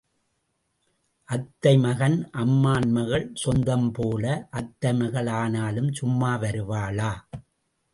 அத்தை மகன், அம்மான் மகள் சொந்தம் போல, அத்தைமகள் ஆனாலும் சும்மா வருவாளா?